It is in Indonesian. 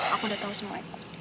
gak usah jawab semua